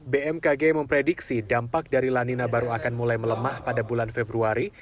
bmkg memprediksi dampak dari lanina baru akan mulai melemah pada bulan februari